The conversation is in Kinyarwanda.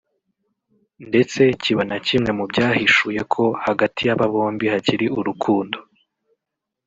ndetse kiba na kimwe mu byahishuye ko hagati y’aba bombi hakiri urukundo